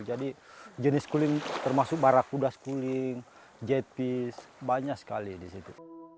jadi jenis sekuling termasuk barakuda sekuling jet fish banyak sekali di situ